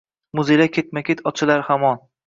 Muzeylar ketma-ket ochilar hamon